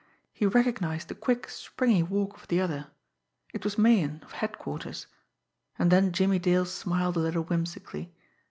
He recognised the quick, springy walk of the other. It was Meighan, of Headquarters. And then Jimmie Dale smiled a little whimsically.